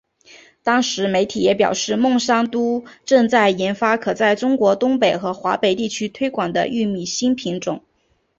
当时媒体也表示孟山都正在研发可在中国东北和华北地区推广的玉米新品种。